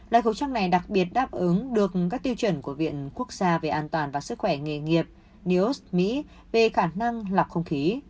loại khẩu trang này đặc biệt đáp ứng được các tiêu chuẩn của viện quốc gia về an toàn và sức khỏe nghề nghiệp neos mỹ về khả năng lọc không khí